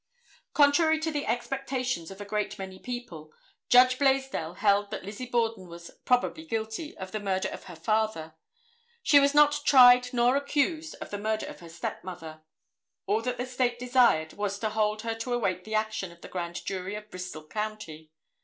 Contrary to the expectations of a great many people, Judge Blaisdell held that Lizzie Borden was "probably guilty" of the murder of her father. She was not tried nor accused of the murder of her stepmother; all that the State desired was to hold her to await the action of the grand jury of Bristol County.